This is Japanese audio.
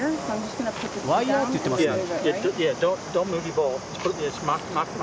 ワイヤって言ってますね。